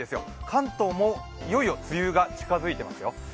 関東もいよいよ梅雨が近づいていますよ。